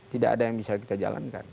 tidak ada yang bisa kita jalankan